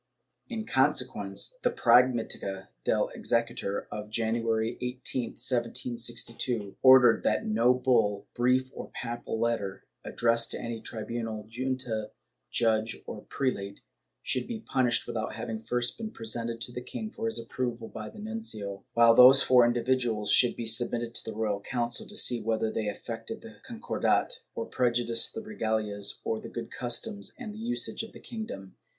In consequence, the Prag mdtica del Exequatur of January 18, 1762, ordered that no bull, brief or papal letter, addressed to any tribimal, junta, judge or prelate, should be published without having first been presented to the king for his approval by the nuncio, while those for indi viduals should be submitted to the Royal Council to see whether they affected the Concordat, or prejudiced the regalias or the good customs and usages of the kingdom.